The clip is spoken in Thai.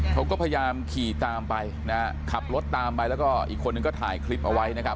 เขาก็พยายามขี่ตามไปนะฮะขับรถตามไปแล้วก็อีกคนนึงก็ถ่ายคลิปเอาไว้นะครับ